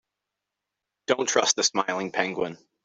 Don't trust the smiling penguin.